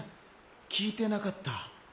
聞いてなかった。